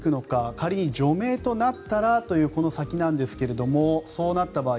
仮に除名となったらというこの先なんですけれどもそうなった場合